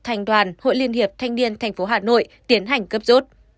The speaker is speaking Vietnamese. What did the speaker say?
thành đoàn hội liên hiệp thanh niên tp hà nội tiến hành cấp rốt